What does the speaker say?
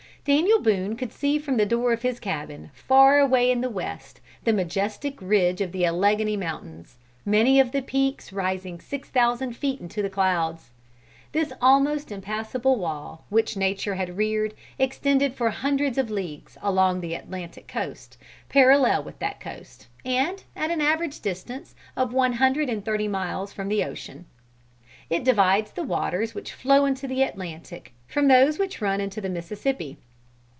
Daniel Boone could see from the door of his cabin, far away in the west, the majestic ridge of the Alleghany mountains, many of the peaks rising six thousand feet into the clouds. This almost impassable wall, which nature had reared, extended for hundreds of leagues, along the Atlantic coast, parallel with that coast, and at an average distance of one hundred and thirty miles from the ocean. It divides the waters which flow into the Atlantic, from those which run into the Mississippi.